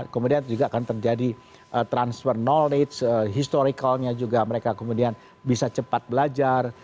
kemudian juga akan terjadi transfer knowledge historicalnya juga mereka kemudian bisa cepat belajar